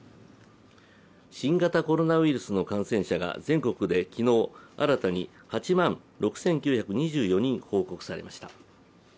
新型コロナウイルスの感染者が全国で昨日新たに８万６９２４人報告されました。